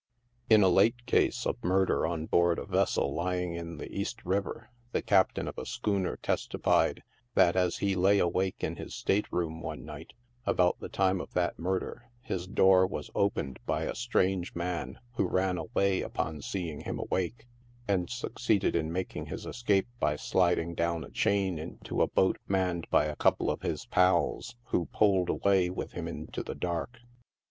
In a late case of murder on board a vessel TIIE RIVER THIEVES. 101 lying in the East "River, ttie captain of a schooner testified that, a3 he lay awake in his stateroom one night, about the time of that murder, his door was opened by a strange man, who ran away u^on seeing him awake, and succeeded in making his escape by sliding down a chain into a boat manned by a couple of his " pals," who pulled away with him into the dark.